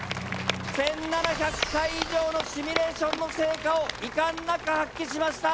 １７００回以上のシミュレーションの成果を遺憾なく発揮しました。